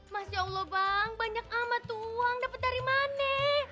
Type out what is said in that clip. masya allah bang banyak amat uang dapat dari mana